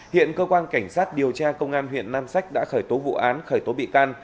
hiện cơ quan cảnh sát điều tra công an huyện nam sách đã khởi tố vụ án khởi tố bị can